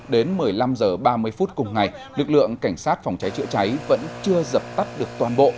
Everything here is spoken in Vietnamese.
đến một mươi năm h ba mươi phút cùng ngày lực lượng cảnh sát phòng cháy chữa cháy vẫn chưa dập tắt được toàn bộ